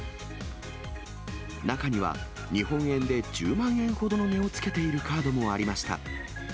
中には、日本円で１０万円ほどの値をつけているカードもありました。